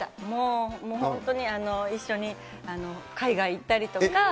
もう本当に一緒に海外行ったりとか。